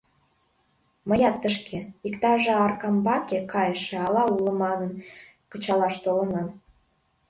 — Мыят тышке, иктаже Аркамбаке кайыше ала уло манын, кычалаш толынам.